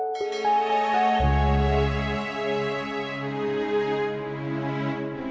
jadi sekarang berubah deh